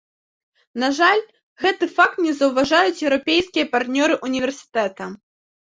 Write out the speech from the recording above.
На жаль, гэты факт не заўважаюць еўрапейскія партнёры ўніверсітэта.